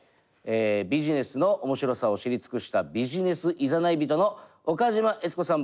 ビジネスの面白さを知り尽くしたビジネス誘い人の岡島悦子さん